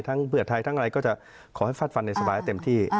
ทั้งเบือดทายทั้งอะไรก็จะขอให้ฟัดฟันในสภาให้เต็มที่